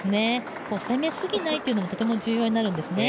攻めすぎないというのもとても重要になるんですね。